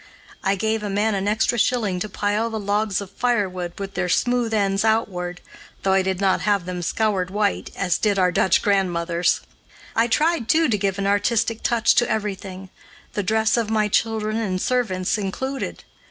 I gave a man an extra shilling to pile the logs of firewood with their smooth ends outward, though I did not have them scoured white, as did our Dutch grandmothers. I tried, too, to give an artistic touch to everything the dress of my children and servants included.